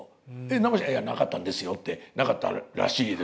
生しかなかったんですよってなかったらしい。